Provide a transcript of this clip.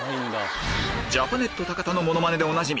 ジャパネットたかたのモノマネでおなじみ